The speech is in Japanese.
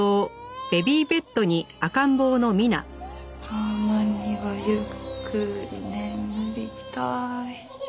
「たまにはゆっくり眠りたい」